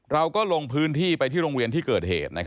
เราก็ลงพื้นที่ไปที่โรงเรียนที่เกิดเหตุ